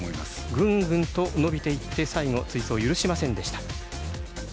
ぐんぐんと伸びていって最後追走を許しませんでした。